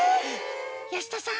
保田さん